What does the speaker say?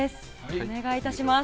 お願いいたします。